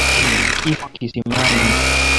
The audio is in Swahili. Kifo kisimani.